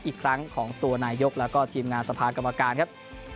อีกครั้งของตัวนายกแล้วก็ทีมงานสภากรรมการครับ